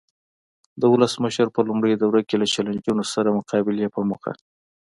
د ولسمشرۍ په لومړۍ دوره کې له چلنجونو سره مقابلې په موخه.